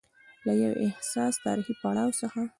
له يو حساس تاریخي پړاو څخه